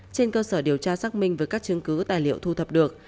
trên cơ sở điều tra xác minh với các chứng cứ tài liệu thu thập được